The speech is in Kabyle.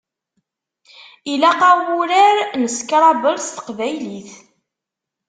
Ilaq-aɣ wurar n scrabble s teqbaylit.